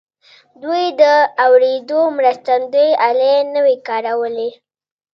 دوی د اورېدو مرستندويي الې نه وې کارولې.